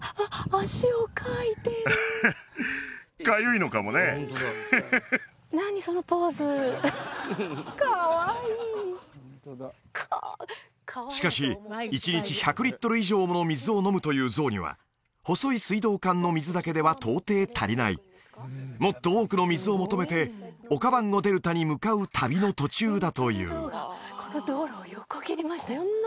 足をかいてるかゆいのかもねしかし１日１００リットル以上もの水を飲むというゾウには細い水道管の水だけでは到底足りないもっと多くの水を求めてオカバンゴ・デルタに向かう旅の途中だというこの道路を横切りましたよ